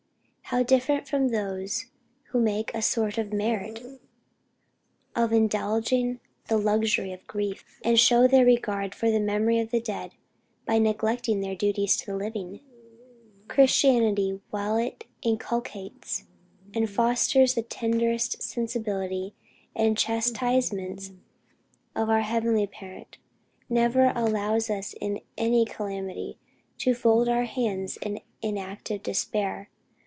How different from those who make a sort of merit of "indulging the luxury of grief;" and show their regard for the memory of the dead by neglecting their duties to the living! Christianity, while it inculcates and fosters the tenderest sensibility to the chastisements of our heavenly Parent, never allows us in any calamity, to fold our hands in inactive despair.